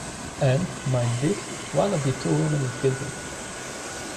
And, mind this, one of the two women is guilty.